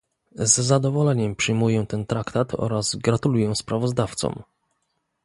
Z zadowoleniem przyjmuję ten Traktat oraz gratuluję sprawozdawcom